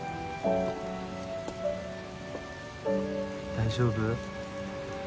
大丈夫？